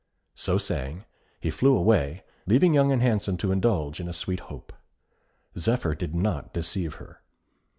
So saying, he flew away, leaving Young and Handsome to indulge in a sweet hope. Zephyr did not deceive her.